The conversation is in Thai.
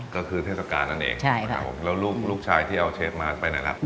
ก็คือเทศกาลนั่นเองใช่ครับผมแล้วลูกชายที่เอาเชฟมาร์ทไปไหนล่ะ